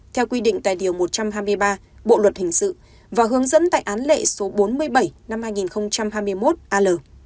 theo quy định tài điều một trăm hai mươi ba bộ luật hình sự và hướng dẫn tại án lệ số bốn mươi bảy năm hai nghìn hai mươi một al